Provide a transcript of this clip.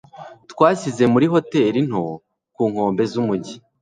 twashyize muri hoteri nto ku nkombe z'umujyi